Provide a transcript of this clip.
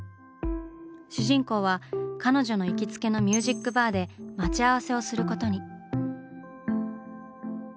主人公は彼女の行きつけのミュージックバーで待ち合わせをすることに。